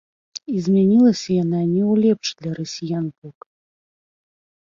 І змянілася яна не ў лепшы для расіян бок.